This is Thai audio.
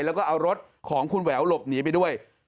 แล้วก็เอารถของคุณแหววหลบหนีไปด้วย